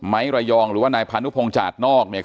ระยองหรือว่านายพานุพงศาสนอกเนี่ย